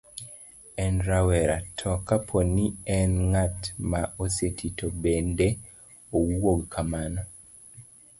en rawera, to kapo ni en ng'at ma oseti to bende owuog kamano